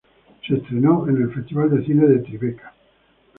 Se estrenó en el Festival de Cine de Tribeca.